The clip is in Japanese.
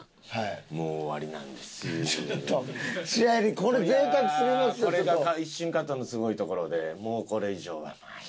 これが一瞬加藤のすごいところでもうこれ以上はない。